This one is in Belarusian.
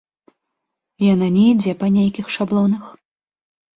Яна не ідзе па нейкіх шаблонах.